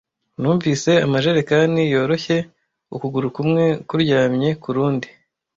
Nunvise amajerekani yoroshye, ukuguru kumwe kuryamye kurundi,